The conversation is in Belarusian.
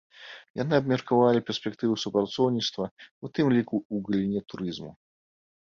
Яны абмеркавалі перспектывы супрацоўніцтва, у тым ліку ў галіне турызму.